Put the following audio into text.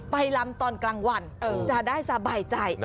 ลำตอนกลางวันจะได้สบายใจ